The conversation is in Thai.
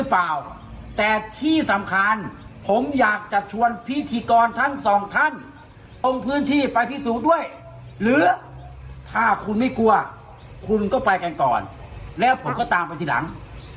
เพราะฉะนั้นองค์พื้นที่ไปพี่ศูนย์ด้วยหรือถ้าคุณไม่กลัวคุณก็ไปกันก่อนแล้วผมก็ตามไปที่หลัง